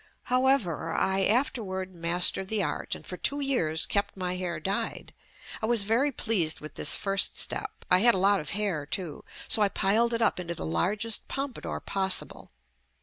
However, I afterward mastered the art and for two years kept my hair dyed. I was very pleased with this first step, I had a lot of hair too, so I piled it up into the largest pompadour possible.